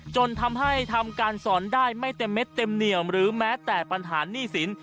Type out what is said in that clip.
จนทำให้ทำการสอนได้ไม่เต็มเม็ดเต็มเหนียวหรือแม้แต่ปัญหาหนี้สิน